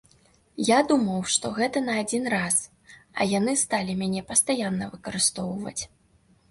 Я думаў, што гэта на адзін раз, а яны сталі мяне пастаянна выкарыстоўваць.